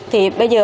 thì bây giờ